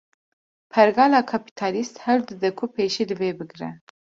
Pergala Kapîtalîst, hewl dide ku pêşî li vê bigre